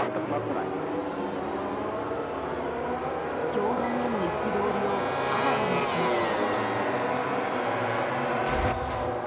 教団への憤りをあらわにしました。